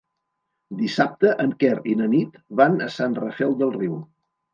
Dissabte en Quer i na Nit van a Sant Rafel del Riu.